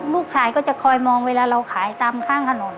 ลูกชายก็จะคอยมองเวลาเราขายตามข้างถนน